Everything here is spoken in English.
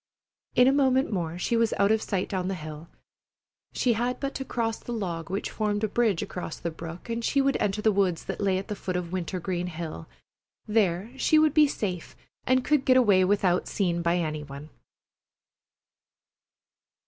In a moment more she was out of sight down the hill. She had but to cross the log which formed a bridge across the brook and she would enter the woods that lay at the foot of Wintergreen Hill. There she would be safe and could get away without seen by any one.